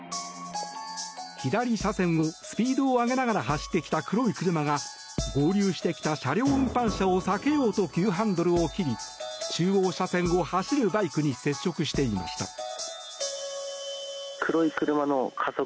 左車線をスピードを上げながら走ってきた黒い車が合流してきた車両運搬車を避けようと急ハンドルを切り中央車線を走るバイクに接触していました。